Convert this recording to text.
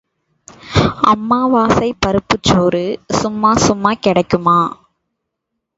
அமாவாசைப் பருப்புச் சோறு சும்மா சும்மா கிடைக்குமா?